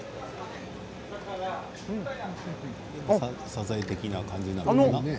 サザエ的な感じなのかな？